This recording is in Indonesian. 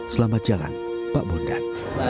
selamat jalan pak bondan